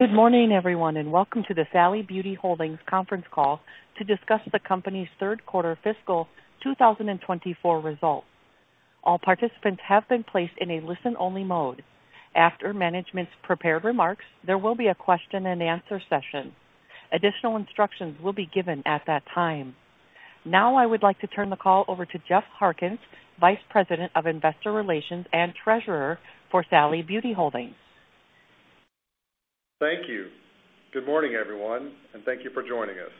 Good morning, everyone, and welcome to the Sally Beauty Holdings conference call to discuss the company's third quarter fiscal 2024 results. All participants have been placed in a listen-only mode. After management's prepared remarks, there will be a question-and-answer session. Additional instructions will be given at that time. Now I would like to turn the call over to Jeff Harkins, Vice President of Investor Relations and Treasurer for Sally Beauty Holdings. Thank you. Good morning, everyone, and thank you for joining us.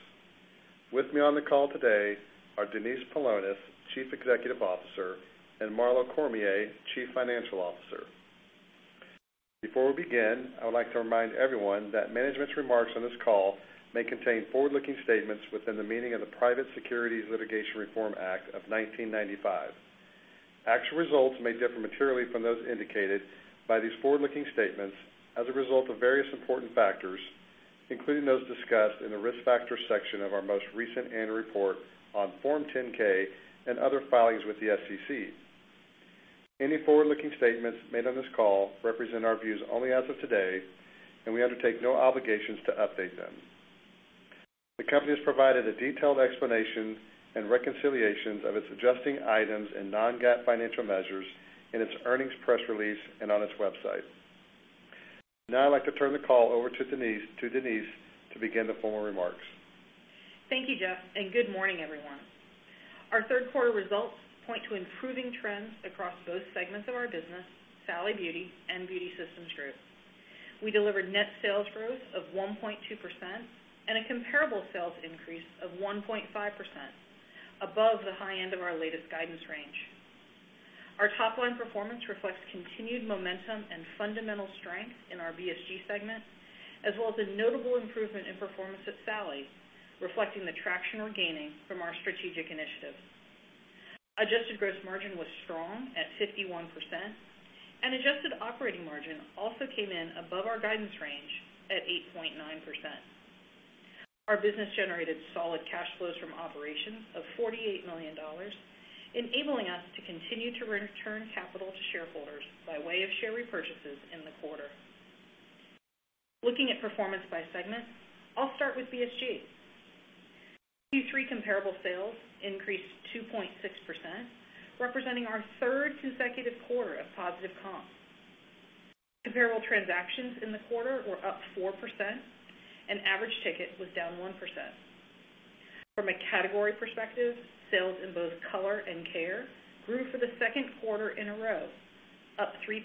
With me on the call today are Denise Paulonis, Chief Executive Officer, and Marlo Cormier, Chief Financial Officer. Before we begin, I would like to remind everyone that management's remarks on this call may contain forward-looking statements within the meaning of the Private Securities Litigation Reform Act of 1995. Actual results may differ materially from those indicated by these forward-looking statements as a result of various important factors, including those discussed in the Risk Factors section of our most recent annual report on Form 10-K and other filings with the SEC. Any forward-looking statements made on this call represent our views only as of today, and we undertake no obligations to update them. The company has provided a detailed explanation and reconciliations of its adjusting items and non-GAAP financial measures in its earnings press release and on its website. Now I'd like to turn the call over to Denise to begin the formal remarks. Thank you, Jeff, and good morning, everyone. Our third quarter results point to improving trends across both segments of our business, Sally Beauty and Beauty Systems Group. We delivered net sales growth of 1.2% and a comparable sales increase of 1.5%, above the high end of our latest guidance range. Our top-line performance reflects continued momentum and fundamental strength in our BSG segment, as well as a notable improvement in performance at Sally, reflecting the traction we're gaining from our strategic initiatives. Adjusted gross margin was strong at 51%, and adjusted operating margin also came in above our guidance range at 8.9%. Our business generated solid cash flows from operations of $48 million, enabling us to continue to return capital to shareholders by way of share repurchases in the quarter. Looking at performance by segment, I'll start with BSG. Q3 comparable sales increased 2.6%, representing our third consecutive quarter of positive comp. Comparable transactions in the quarter were up 4% and average ticket was down 1%. From a category perspective, sales in both color and care grew for the second quarter in a row, up 3%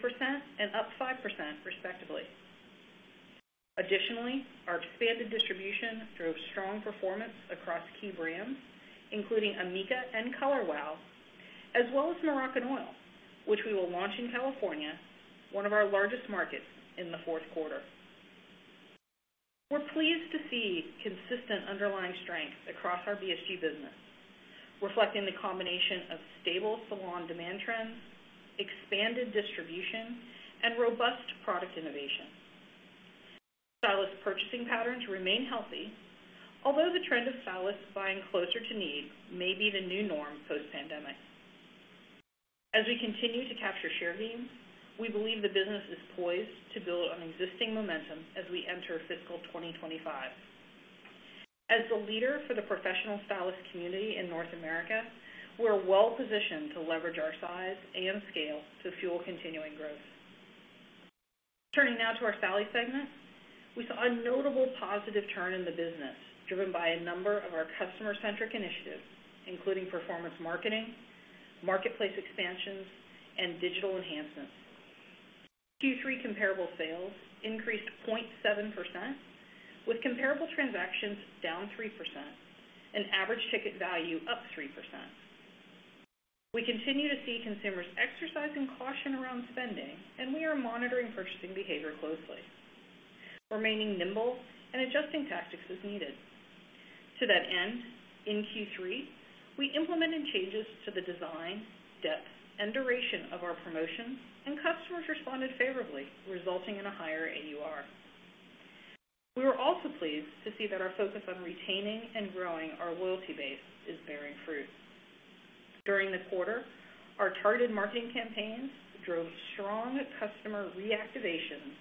and up 5%, respectively. Additionally, our expanded distribution drove strong performance across key brands, including Amika and Color Wow, as well as Moroccanoil, which we will launch in California, one of our largest markets, in the fourth quarter. We're pleased to see consistent underlying strength across our BSG business, reflecting the combination of stable salon demand trends, expanded distribution, and robust product innovation. Stylist purchasing patterns remain healthy, although the trend of stylists buying closer to need may be the new norm post-pandemic. As we continue to capture share gains, we believe the business is poised to build on existing momentum as we enter fiscal 2025. As the leader for the professional stylist community in North America, we're well-positioned to leverage our size and scale to fuel continuing growth. Turning now to our Sally segment, we saw a notable positive turn in the business, driven by a number of our customer-centric initiatives, including performance marketing, marketplace expansions, and digital enhancements. Q3 comparable sales increased 0.7%, with comparable transactions down 3% and average ticket value up 3%. We continue to see consumers exercising caution around spending, and we are monitoring purchasing behavior closely, remaining nimble and adjusting tactics as needed. To that end, in Q3, we implemented changes to the design, depth, and duration of our promotions, and customers responded favorably, resulting in a higher AUR. We were also pleased to see that our focus on retaining and growing our loyalty base is bearing fruit. During the quarter, our targeted marketing campaigns drove strong customer reactivation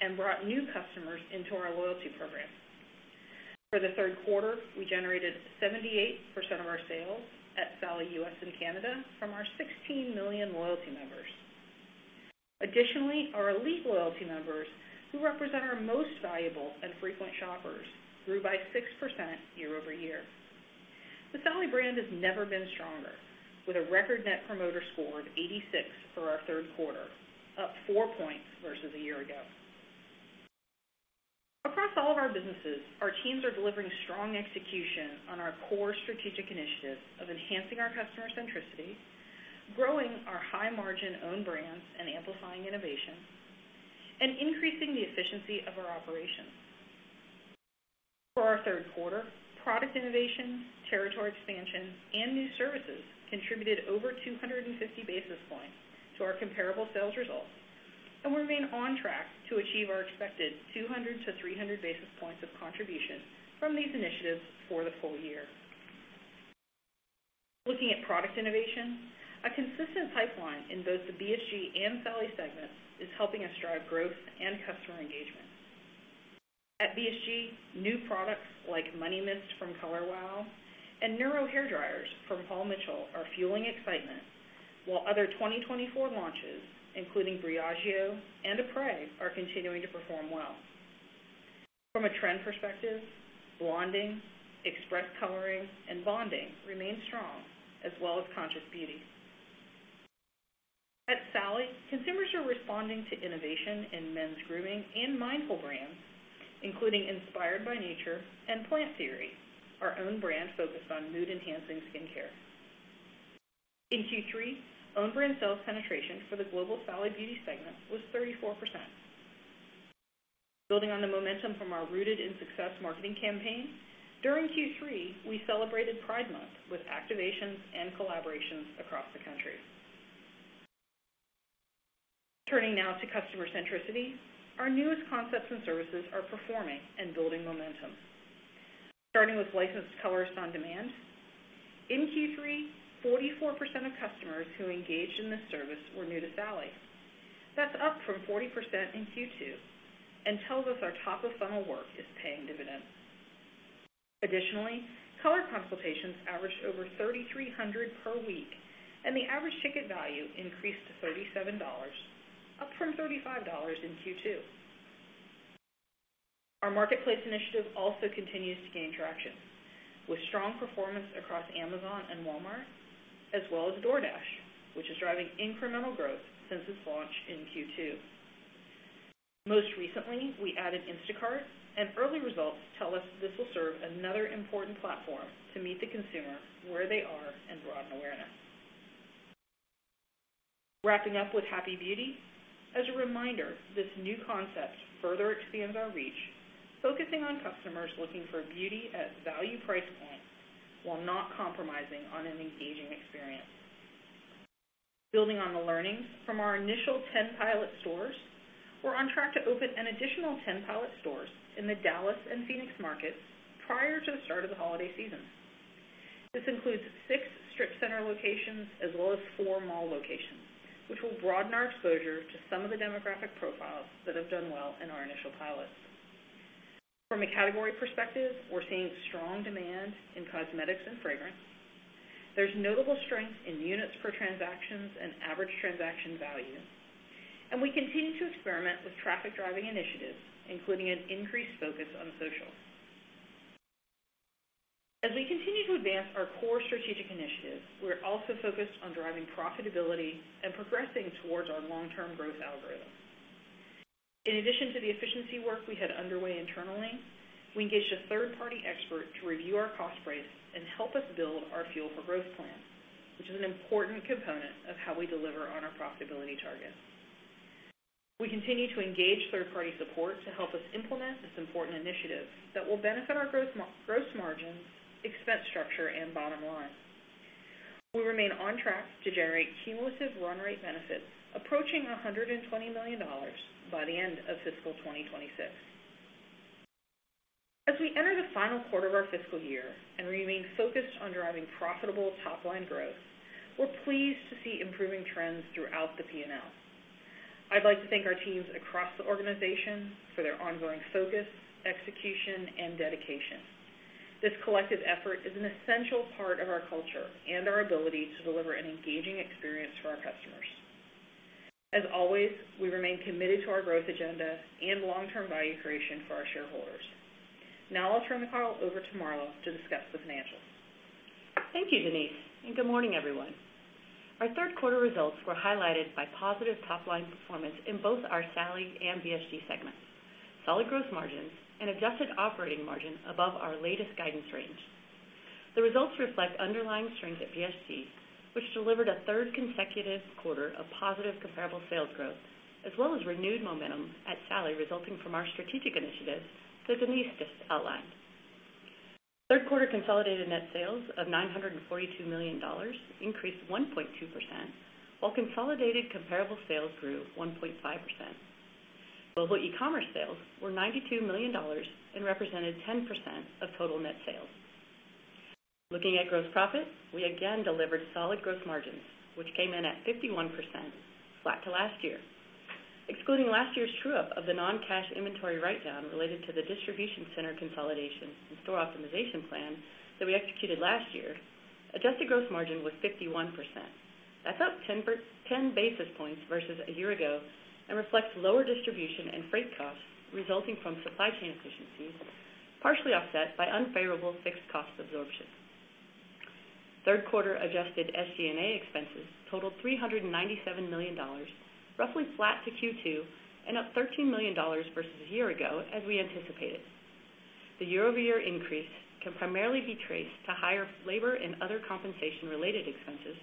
and brought new customers into our loyalty program. For the third quarter, we generated 78% of our sales at Sally U.S. and Canada from our 16 million loyalty members. Additionally, our Elite loyalty members, who represent our most valuable and frequent shoppers, grew by 6% year-over-year. The Sally brand has never been stronger, with a record Net Promoter Score of 86 for our third quarter, up 4 points versus a year ago. Across all of our businesses, our teams are delivering strong execution on our core strategic initiatives of enhancing our customer centricity, growing our high-margin own brands and amplifying innovation, and increasing the efficiency of our operations. For our third quarter, product innovation, territory expansion, and new services contributed over 250 basis points to our comparable sales results, and we remain on track to achieve our expected 200-300 basis points of contribution from these initiatives for the full year. Looking at product innovation, a consistent pipeline in both the BSG and Sally segment is helping us drive growth and customer engagement. At BSG, new products like Money Mist from Color Wow and Neuro hair dryers from Paul Mitchell are fueling excitement, while other 2024 launches, including Briogeo and Aprés, are continuing to perform well. From a trend perspective, blonding, express coloring, and bonding remain strong, as well as conscious beauty. At Sally, consumers are responding to innovation in men's grooming and mindful brands, including Inspired by Nature and Plant Theory, our own brand focused on mood-enhancing skincare. In Q3, own brand sales penetration for the global Sally Beauty segment was 34%. Building on the momentum from our Rooted in Success marketing campaign, during Q3, we celebrated Pride Month with activations and collaborations across the country. Turning now to customer centricity, our newest concepts and services are performing and building momentum. Starting with Licensed Colorist On Demand, in Q3, 44% of customers who engaged in this service were new to Sally. That's up from 40% in Q2 and tells us our top-of-funnel work is paying dividends. Additionally, color consultations averaged over 3,300 per week, and the average ticket value increased to $37, up from $35 in Q2. Our marketplace initiative also continues to gain traction, with strong performance across Amazon and Walmart, as well as DoorDash, which is driving incremental growth since its launch in Q2. Most recently, we added Instacart, and early results tell us this will serve another important platform to meet the consumer where they are and broaden awareness. Wrapping up with Happy Beauty, as a reminder, this new concept further expands our reach, focusing on customers looking for beauty at value price points while not compromising on an engaging experience. Building on the learnings from our initial 10 pilot stores, we're on track to open an additional 10 pilot stores in the Dallas and Phoenix markets prior to the start of the holiday season. This includes six strip center locations as well as four mall locations, which will broaden our exposure to some of the demographic profiles that have done well in our initial pilot. From a category perspective, we're seeing strong demand in cosmetics and fragrance. There's notable strength in units per transactions and average transaction value, and we continue to experiment with traffic-driving initiatives, including an increased focus on social. As we continue to advance our core strategic initiatives, we're also focused on driving profitability and progressing towards our long-term growth algorithm. In addition to the efficiency work we had underway internally, we engaged a third-party expert to review our cost base and help us build our Fuel for Growth plan, which is an important component of how we deliver on our profitability targets. We continue to engage third-party support to help us implement this important initiative that will benefit our gross margin, expense structure, and bottom line. We remain on track to generate cumulative run rate benefits approaching $120 million by the end of fiscal 2026. As we enter the final quarter of our fiscal year and remain focused on driving profitable top-line growth, we're pleased to see improving trends throughout the P&L. I'd like to thank our teams across the organization for their ongoing focus, execution, and dedication. This collective effort is an essential part of our culture and our ability to deliver an engaging experience for our customers. As always, we remain committed to our growth agenda and long-term value creation for our shareholders. Now I'll turn the call over to Marlo to discuss the financials. Thank you, Denise, and good morning, everyone. Our third quarter results were highlighted by positive top-line performance in both our Sally and BSG segments, solid gross margins, and adjusted operating margin above our latest guidance range. The results reflect underlying strength at BSG, which delivered a third consecutive quarter of positive comparable sales growth, as well as renewed momentum at Sally, resulting from our strategic initiatives that Denise just outlined. Third quarter consolidated net sales of $942 million increased 1.2%, while consolidated comparable sales grew 1.5%. Global e-commerce sales were $92 million and represented 10% of total net sales. Looking at gross profit, we again delivered solid gross margins, which came in at 51%, flat to last year. Excluding last year's true-up of the non-cash inventory write-down related to the distribution center consolidation and store optimization plan that we executed last year, adjusted gross margin was 51%. That's up 10 basis points versus a year ago and reflects lower distribution and freight costs resulting from supply chain efficiencies, partially offset by unfavorable fixed cost absorption. Third quarter adjusted SG&A expenses totaled $397 million, roughly flat to Q2 and up $13 million versus a year ago, as we anticipated. The year-over-year increase can primarily be traced to higher labor and other compensation-related expenses,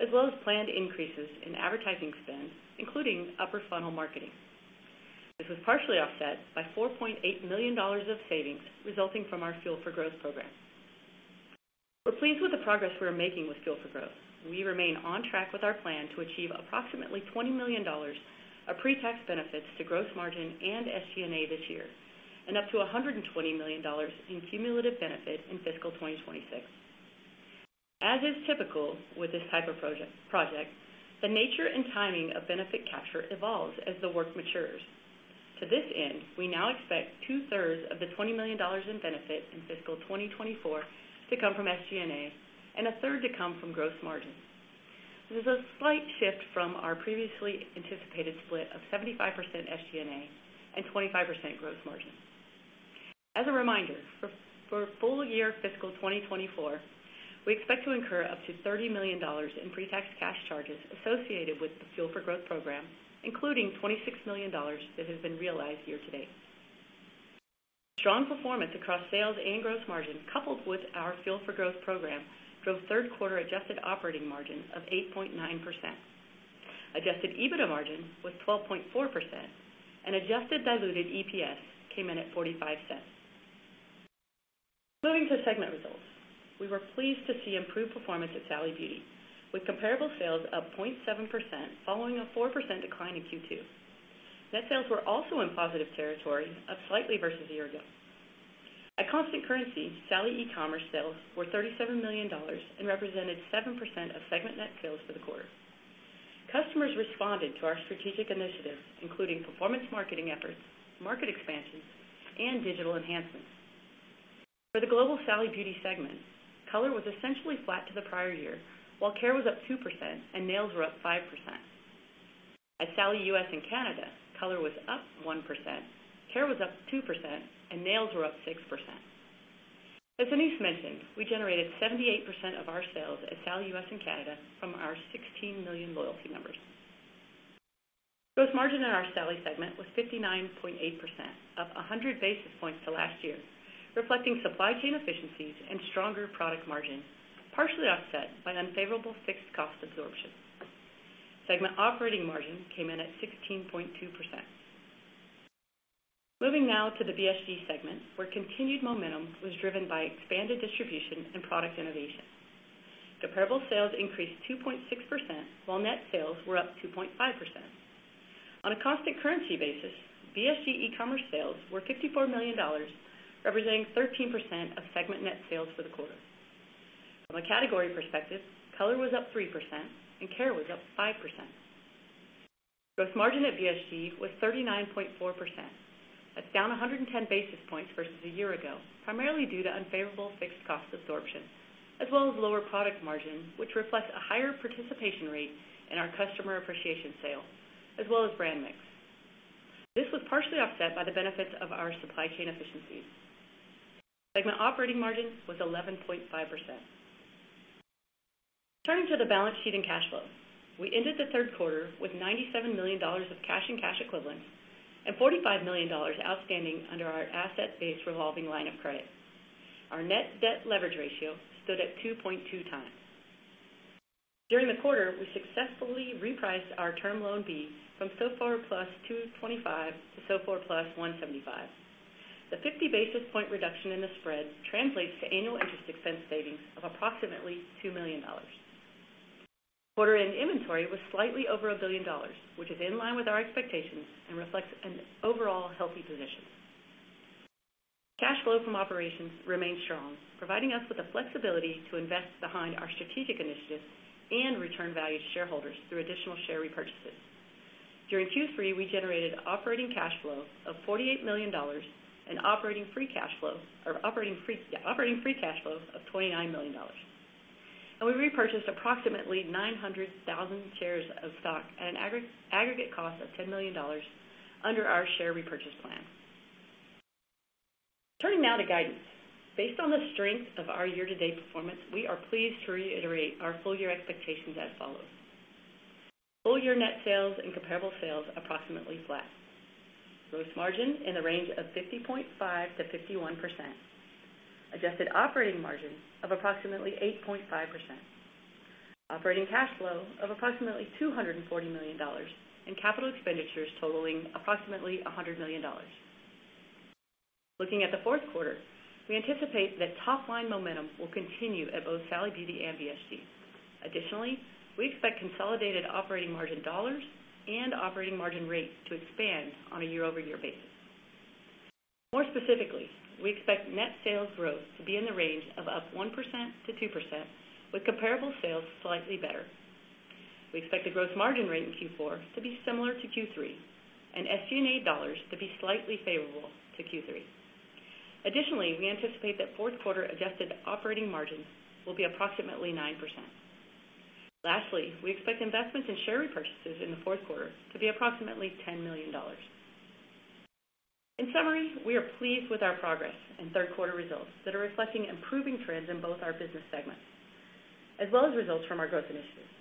as well as planned increases in advertising spend, including upper funnel marketing. This was partially offset by $4.8 million of savings resulting from our Fuel for Growth program. We're pleased with the progress we are making with Fuel for Growth. We remain on track with our plan to achieve approximately $20 million of pre-tax benefits to gross margin and SG&A this year, and up to $120 million in cumulative benefit in fiscal 2026. As is typical with this type of project, the nature and timing of benefit capture evolves as the work matures. To this end, we now expect two-thirds of the $20 million in benefit in fiscal 2024 to come from SG&A and a third to come from gross margin. This is a slight shift from our previously anticipated split of 75% SG&A and 25% gross margin. As a reminder, for full year fiscal 2024, we expect to incur up to $30 million in pre-tax cash charges associated with the Fuel for Growth program, including $26 million that has been realized year to date. Strong performance across sales and gross margin, coupled with our Fuel for Growth program, drove third quarter adjusted operating margin of 8.9%. Adjusted EBITDA margin was 12.4%, and adjusted diluted EPS came in at $0.45. Moving to segment results. We were pleased to see improved performance at Sally Beauty, with comparable sales up 0.7%, following a 4% decline in Q2. Net sales were also in positive territory, up slightly versus a year ago. At constant currency, Sally e-commerce sales were $37 million and represented 7% of segment net sales for the quarter. Customers responded to our strategic initiatives, including performance marketing efforts, market expansions, and digital enhancements. For the global Sally Beauty segment, color was essentially flat to the prior year, while care was up 2% and nails were up 5%. At Sally U.S. and Canada, color was up 1%, care was up 2%, and nails were up 6%. As Denise mentioned, we generated 78% of our sales at Sally U.S. and Canada from our 16 million loyalty members. Gross margin in our Sally segment was 59.8%, up 100 basis points to last year, reflecting supply chain efficiencies and stronger product margin, partially offset by unfavorable fixed cost absorption. Segment operating margin came in at 16.2%. Moving now to the BSG segment, where continued momentum was driven by expanded distribution and product innovation. Comparable sales increased 2.6%, while net sales were up 2.5%. On a constant currency basis, BSG e-commerce sales were $54 million, representing 13% of segment net sales for the quarter. From a category perspective, color was up 3% and care was up 5%. Gross margin at BSG was 39.4%. That's down 110 basis points versus a year ago, primarily due to unfavorable fixed cost absorption, as well as lower product margin, which reflects a higher participation rate in our Customer Appreciation Sale, as well as brand mix. This was partially offset by the benefits of our supply chain efficiencies. Segment operating margin was 11.5%. Turning to the balance sheet and cash flow. We ended the third quarter with $97 million of cash and cash equivalents and $45 million outstanding under our asset-based revolving line of credit. Our net debt leverage ratio stood at 2.2x. During the quarter, we successfully repriced our Term Loan B from SOFR plus 225 to SOFR plus 175. The 50 basis point reduction in the spread translates to annual interest expense savings of approximately $2 million. Quarter end inventory was slightly over $1 billion, which is in line with our expectations and reflects an overall healthy position. Cash flow from operations remains strong, providing us with the flexibility to invest behind our strategic initiatives and return value to shareholders through additional share repurchases. During Q3, we generated operating cash flow of $48 million and operating free cash flows of $29 million. And we repurchased approximately 900,000 shares of stock at an aggregate cost of $10 million under our share repurchase plan. Turning now to guidance. Based on the strength of our year-to-date performance, we are pleased to reiterate our full year expectations as follows: Full year net sales and comparable sales, approximately flat. Gross margin in the range of 50.5%-51%. Adjusted operating margin of approximately 8.5%. Operating cash flow of approximately $240 million, and capital expenditures totaling approximately $100 million. Looking at the fourth quarter, we anticipate that top-line momentum will continue at both Sally Beauty and BSG. Additionally, we expect consolidated operating margin dollars and operating margin rates to expand on a year-over-year basis. More specifically, we expect net sales growth to be in the range of up 1%-2%, with comparable sales slightly better. We expect the gross margin rate in Q4 to be similar to Q3 and SG&A dollars to be slightly favorable to Q3. Additionally, we anticipate that fourth quarter adjusted operating margin will be approximately 9%. Lastly, we expect investments in share repurchases in the fourth quarter to be approximately $10 million. In summary, we are pleased with our progress and third quarter results that are reflecting improving trends in both our business segments, as well as results from our growth initiatives.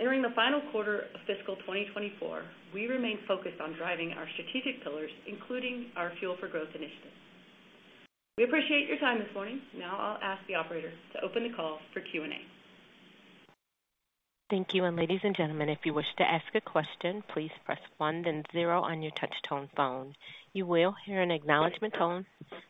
Entering the final quarter of fiscal 2024, we remain focused on driving our strategic pillars, including our Fuel for Growth initiative. We appreciate your time this morning. Now I'll ask the operator to open the call for Q&A. Thank you. And ladies and gentlemen, if you wish to ask a question, please press one then zero on your touchtone phone. You will hear an acknowledgment tone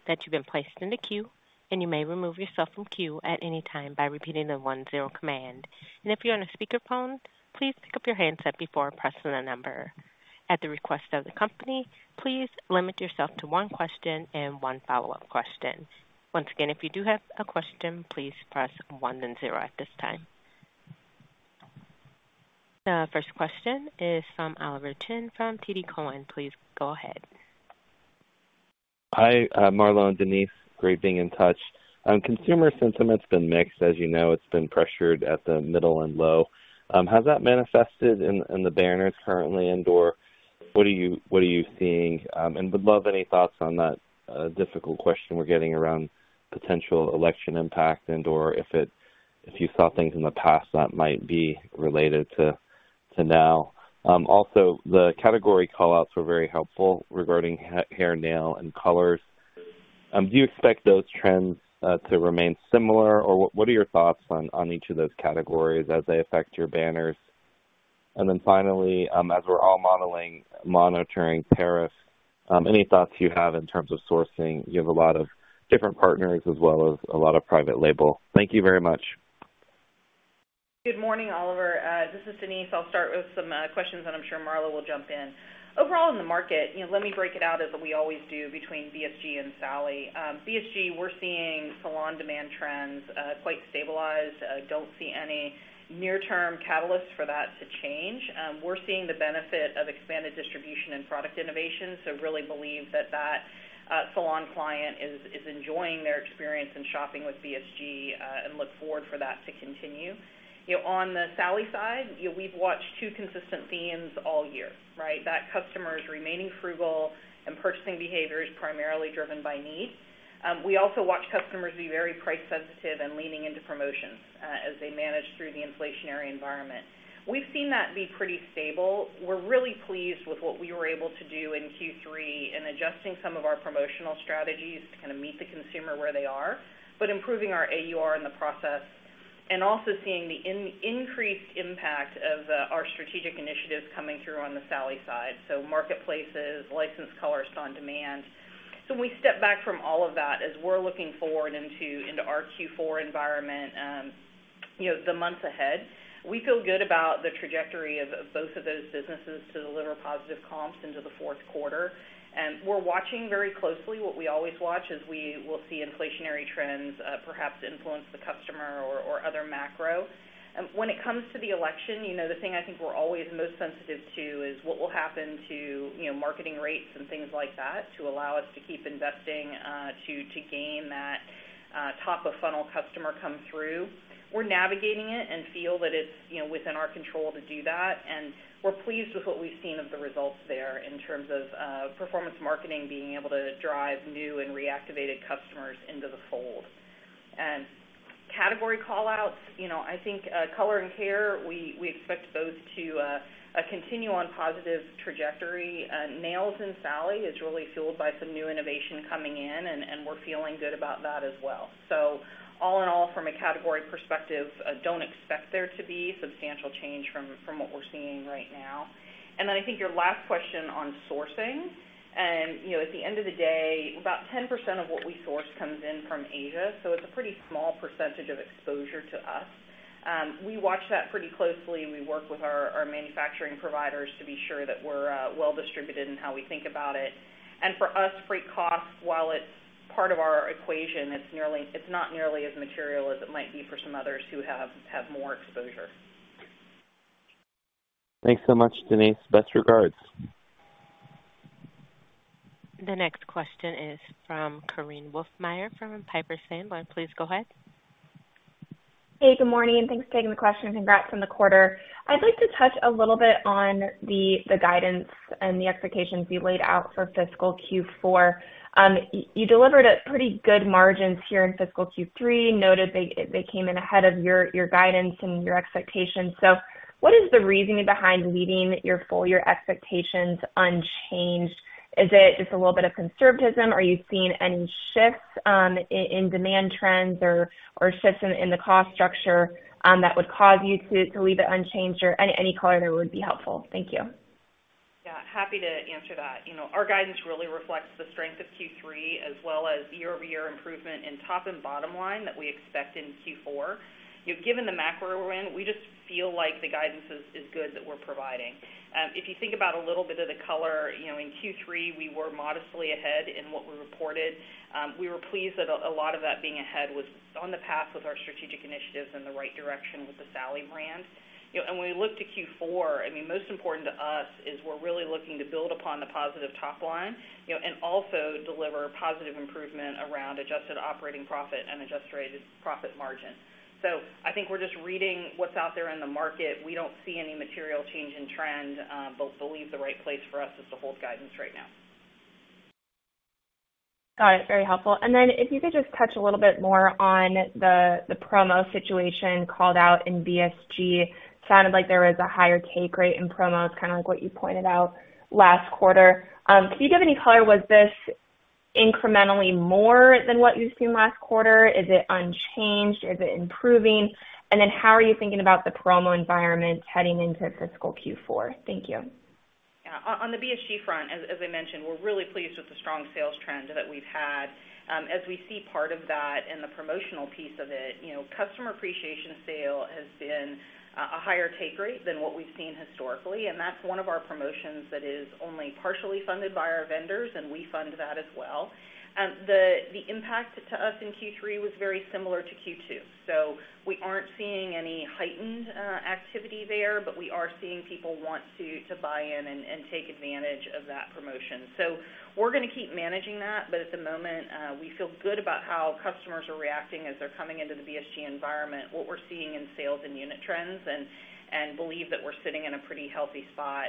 that you've been placed in the queue, and you may remove yourself from queue at any time by repeating the one-zero command. And if you're on a speakerphone, please pick up your handset before pressing the number. At the request of the company, please limit yourself to one question and one follow-up question. Once again, if you do have a question, please press one, then zero at this time. The first question is from Oliver Chen from TD Cowen. Please go ahead. Hi, Marlo and Denise. Great being in touch. Consumer sentiment's been mixed. As you know, it's been pressured at the middle and low. Has that manifested in the banners currently? And/or what are you seeing? And would love any thoughts on that, difficult question we're getting around potential election impact and/or if you saw things in the past that might be related to now. Also, the category call-outs were very helpful regarding hair, nail, and colors. Do you expect those trends to remain similar, or what are your thoughts on each of those categories as they affect your banners? And then finally, as we're all modeling, monitoring tariff, any thoughts you have in terms of sourcing? You have a lot of different partners as well as a lot of private label. Thank you very much. Good morning, Oliver. This is Denise. I'll start with some questions, and I'm sure Marlo will jump in. Overall, in the market, you know, let me break it out as we always do between BSG and Sally. BSG, we're seeing salon demand trends quite stabilized. Don't see any near-term catalysts for that to change. We're seeing the benefit of expanded distribution and product innovation, so really believe that that salon client is enjoying their experience in shopping with BSG, and look forward for that to continue. You know, on the Sally side, we've watched two consistent themes all year, right? That customer is remaining frugal and purchasing behavior is primarily driven by need. We also watch customers be very price sensitive and leaning into promotions as they manage through the inflationary environment. We've seen that be pretty stable. We're really pleased with what we were able to do in Q3 in adjusting some of our promotional strategies to kinda meet the consumer where they are, but improving our AUR in the process. And also seeing the increased impact of our strategic initiatives coming through on the Sally side, so marketplaces, licensed colors on demand. So we step back from all of that as we're looking forward into our Q4 environment, you know, the months ahead. We feel good about the trajectory of both of those businesses to deliver positive comps into the fourth quarter. And we're watching very closely what we always watch, as we will see inflationary trends, perhaps influence the customer or other macro. When it comes to the election, you know, the thing I think we're always most sensitive to is what will happen to, you know, marketing rates and things like that, to allow us to keep investing, to gain that top-of-funnel customer come through. We're navigating it and feel that it's, you know, within our control to do that, and we're pleased with what we've seen of the results there in terms of performance marketing being able to drive new and reactivated customers into the fold. Category call-outs, you know, I think, color and hair, we expect those to continue on positive trajectory. Nails in Sally is really fueled by some new innovation coming in, and we're feeling good about that as well. So all in all, from a category perspective, don't expect there to be substantial change from what we're seeing right now. And then I think your last question on sourcing, you know, at the end of the day, about 10% of what we source comes in from Asia, so it's a pretty small percentage of exposure to us. We watch that pretty closely. We work with our manufacturing providers to be sure that we're well-distributed in how we think about it. And for us, freight costs, while it's part of our equation, it's nearly, it's not nearly as material as it might be for some others who have more exposure. Thanks so much, Denise. Best regards. The next question is from Korinne Wolfmeyer from Piper Sandler. Please go ahead. Hey, good morning, and thanks for taking the question, and congrats on the quarter. I'd like to touch a little bit on the guidance and the expectations you laid out for fiscal Q4. You delivered pretty good margins here in fiscal Q3. Noted they came in ahead of your guidance and your expectations. So what is the reasoning behind leaving your full year expectations unchanged? Is it just a little bit of conservatism, or are you seeing any shifts in demand trends or shifts in the cost structure that would cause you to leave it unchanged? Or any color there would be helpful. Thank you. Yeah, happy to answer that. You know, our guidance really reflects the strength of Q3 as well as year-over-year improvement in top and bottom line that we expect in Q4. You know, given the macro we're in, we just feel like the guidance is good that we're providing. If you think about a little bit of the color, you know, in Q3, we were modestly ahead in what we reported. We were pleased that a lot of that being ahead was on the path with our strategic initiatives in the right direction with the Sally brand. You know, and when we look to Q4, I mean, most important to us is we're really looking to build upon the positive top line, you know, and also deliver positive improvement around adjusted operating profit and adjusted profit margin. I think we're just reading what's out there in the market. We don't see any material change in trend. But believe the right place for us is to hold guidance right now. Got it. Very helpful. And then, if you could just touch a little bit more on the, the promo situation called out in BSG. Sounded like there was a higher take rate in promos, kinda like what you pointed out last quarter. Can you give any color? Was this incrementally more than what you've seen last quarter? Is it unchanged? Is it improving? And then how are you thinking about the promo environment heading into fiscal Q4? Thank you. Yeah. On the BSG front, as I mentioned, we're really pleased with the strong sales trend that we've had. As we see part of that in the promotional piece of it, you know, customer appreciation sale has been a higher take rate than what we've seen historically, and that's one of our promotions that is only partially funded by our vendors, and we fund that as well. The impact to us in Q3 was very similar to Q2, so we aren't seeing any heightened activity there, but we are seeing people want to buy in and take advantage of that promotion. So we're gonna keep managing that, but at the moment, we feel good about how customers are reacting as they're coming into the BSG environment, what we're seeing in sales and unit trends, and believe that we're sitting in a pretty healthy spot.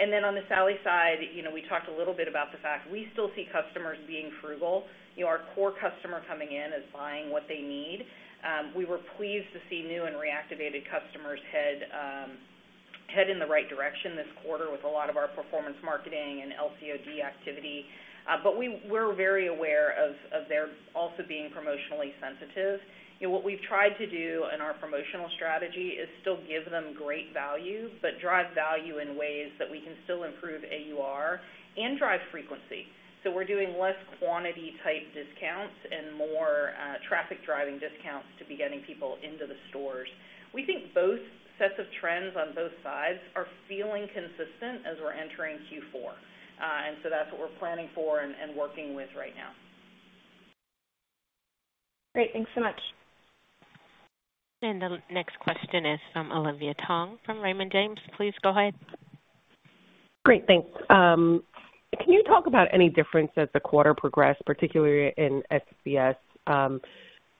And then on the Sally side, you know, we talked a little bit about the fact we still see customers being frugal. You know, our core customer coming in and buying what they need. We were pleased to see new and reactivated customers head in the right direction this quarter with a lot of our performance marketing and LCOD activity. But we're very aware of their also being promotionally sensitive. You know, what we've tried to do in our promotional strategy is still give them great value, but drive value in ways that we can still improve AUR and drive frequency. So we're doing less quantity-type discounts and more, traffic-driving discounts to be getting people into the stores. We think both sets of trends on both sides are feeling consistent as we're entering Q4. And so that's what we're planning for and working with right now. Great. Thanks so much. The next question is from Olivia Tong from Raymond James. Please go ahead. Great, thanks. Can you talk about any difference as the quarter progressed, particularly in SBS?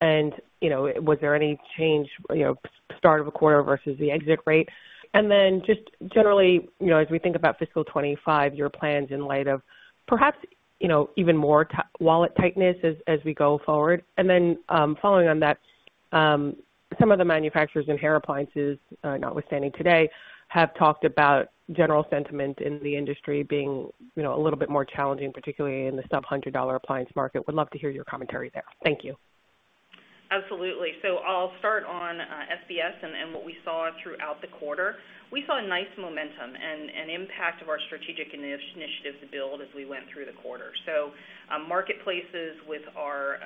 And, you know, was there any change, you know, start of a quarter versus the exit rate? And then just generally, you know, as we think about fiscal 2025, your plans in light of perhaps, you know, even more wallet tightness as we go forward. And then, following on that, some of the manufacturers in hair appliances, notwithstanding today, have talked about general sentiment in the industry being, you know, a little bit more challenging, particularly in the sub-$100 appliance market. Would love to hear your commentary there. Thank you. Absolutely. So I'll start on SBS and what we saw throughout the quarter. We saw a nice momentum and impact of our strategic initiatives to build as we went through the quarter. So, marketplaces with our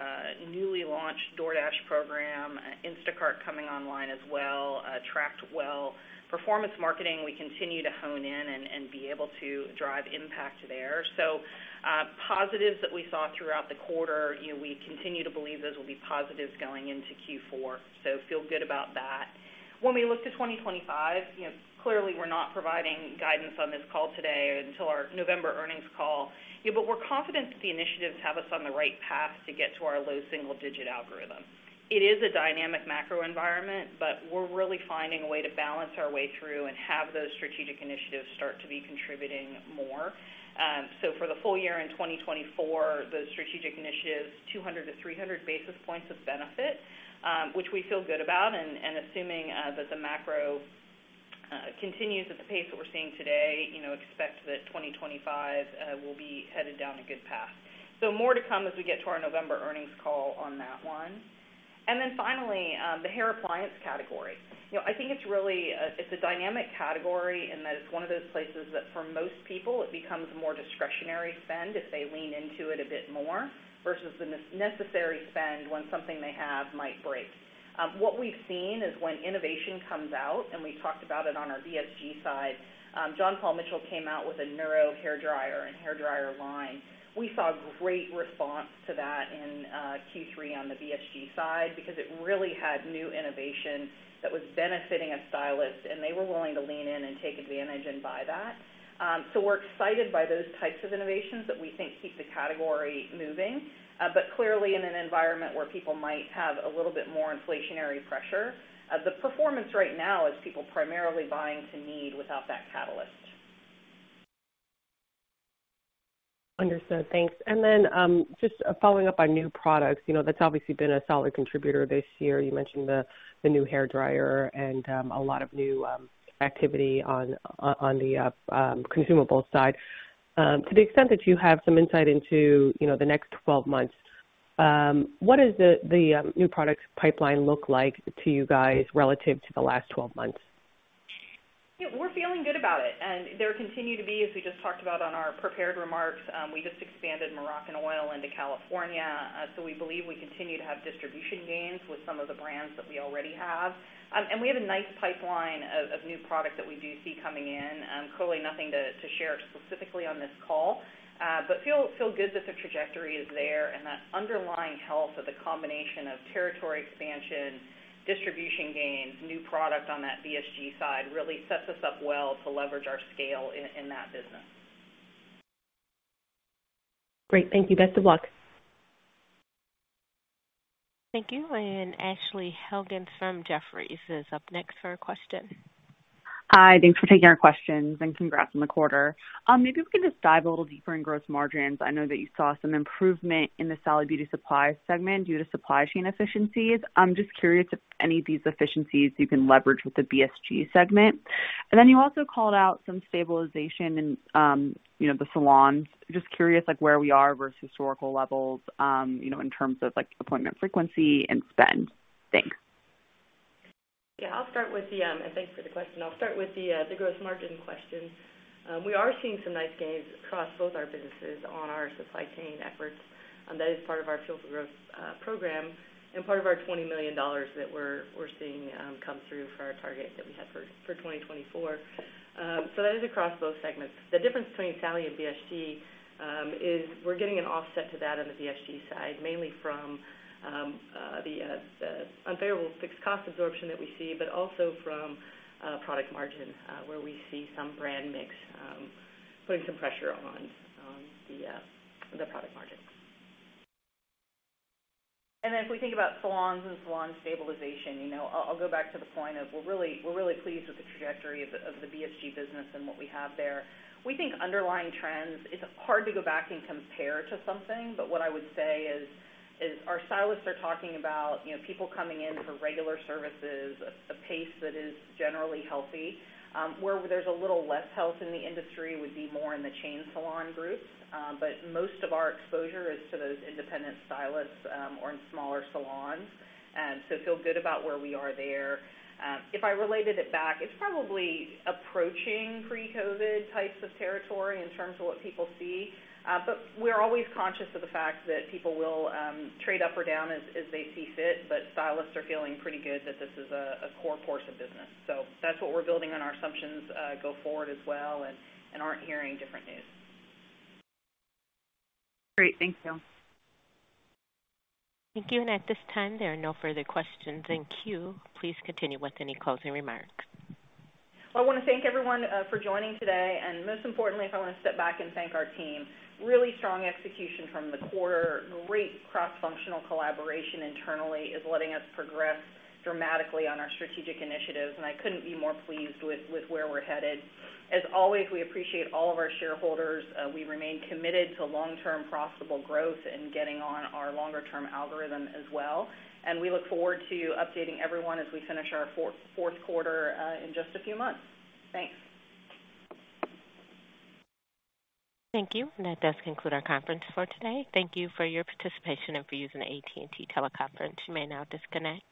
newly launched DoorDash program, Instacart coming online as well, tracked well. Performance marketing, we continue to hone in and be able to drive impact there. So, positives that we saw throughout the quarter, you know, we continue to believe those will be positives going into Q4, so feel good about that. When we look to 2025, you know, clearly, we're not providing guidance on this call today until our November earnings call. Yeah, but we're confident that the initiatives have us on the right path to get to our low single-digit algorithm. It is a dynamic macro environment, but we're really finding a way to balance our way through and have those strategic initiatives start to be contributing more. So for the full year in 2024, the strategic initiatives, 200-300 basis points of benefit, which we feel good about, and assuming that the macro continues at the pace that we're seeing today, you know, expect that 2025 will be headed down a good path. So more to come as we get to our November earnings call on that one. And then finally, the hair appliance category. You know, I think it's really a... It's a dynamic category in that it's one of those places that for most people, it becomes a more discretionary spend if they lean into it a bit more, versus the necessary spend when something they have might break. What we've seen is when innovation comes out, and we talked about it on our BSG side, John Paul Mitchell came out with a Neuro hair dryer and hair dryer line. We saw great response to that in Q3 on the BSG side because it really had new innovation that was benefiting a stylist, and they were willing to lean in and take advantage and buy that. So we're excited by those types of innovations that we think keeps the category moving, but clearly in an environment where people might have a little bit more inflationary pressure. The performance right now is people primarily buying to need without that catalyst. Understood. Thanks. And then, just following up on new products, you know, that's obviously been a solid contributor this year. You mentioned the new hairdryer and a lot of new activity on the consumable side. To the extent that you have some insight into, you know, the next 12 months, what does the new products pipeline look like to you guys relative to the last 12 months? Yeah, we're feeling good about it, and there continue to be, as we just talked about on our prepared remarks, we just expanded Moroccanoil into California, so we believe we continue to have distribution gains with some of the brands that we already have. And we have a nice pipeline of new product that we do see coming in. Clearly nothing to share specifically on this call, but feel good that the trajectory is there and that underlying health of the combination of territory expansion, distribution gains, new product on that BSG side really sets us up well to leverage our scale in that business. Great. Thank you. Best of luck. Thank you, and Ashley Helgans from Jefferies is up next for a question. Hi, thanks for taking our questions, and congrats on the quarter. Maybe we can just dive a little deeper in gross margins. I know that you saw some improvement in the Sally Beauty Supply segment due to supply chain efficiencies. I'm just curious if any of these efficiencies you can leverage with the BSG segment. And then you also called out some stabilization in, you know, the salons. Just curious, like, where we are versus historical levels, you know, in terms of, like, appointment frequency and spend. Thanks. Yeah, I'll start with... And thanks for the question. I'll start with the gross margin question. We are seeing some nice gains across both our businesses on our supply chain efforts, and that is part of our Fuel for Growth program. And part of our $20 million that we're seeing come through for our target that we had for 2024. So that is across both segments. The difference between Sally and BSG is we're getting an offset to that on the BSG side, mainly from the unfavorable fixed cost absorption that we see, but also from product margin where we see some brand mix putting some pressure on the product margin. If we think about salons and salon stabilization, you know, I'll go back to the point of we're really pleased with the trajectory of the BSG business and what we have there. We think underlying trends, it's hard to go back and compare to something, but what I would say is our stylists are talking about, you know, people coming in for regular services, a pace that is generally healthy. Where there's a little less health in the industry would be more in the chain salon group. But most of our exposure is to those independent stylists or in smaller salons, so feel good about where we are there. If I related it back, it's probably approaching pre-COVID types of territory in terms of what people see. But we're always conscious of the fact that people will trade up or down as they see fit. But stylists are feeling pretty good that this is a core course of business. So that's what we're building on our assumptions go forward as well, and aren't hearing different news. Great. Thank you. Thank you. At this time, there are no further questions in queue. Please continue with any closing remarks. I wanna thank everyone for joining today, and most importantly, I wanna step back and thank our team. Really strong execution from the quarter. Great cross-functional collaboration internally is letting us progress dramatically on our strategic initiatives, and I couldn't be more pleased with where we're headed. As always, we appreciate all of our shareholders. We remain committed to long-term profitable growth and getting on our longer-term algorithm as well, and we look forward to updating everyone as we finish our fourth quarter in just a few months. Thanks. Thank you. That does conclude our conference for today. Thank you for your participation and for using the AT&T Teleconference. You may now disconnect.